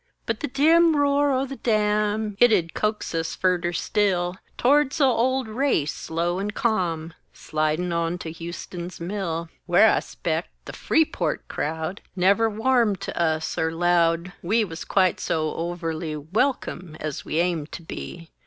But the dim roar o' the dam It 'ud coax us furder still Tords the old race, slow and ca'm, Slidin' on to Huston's mill Where, I 'spect, "The Freeport crowd" Never warmed to us er 'lowed We wuz quite so overly Welcome as we aimed to be.